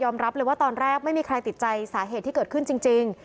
รับเลยว่าตอนแรกไม่มีใครติดใจสาเหตุที่เกิดขึ้นจริง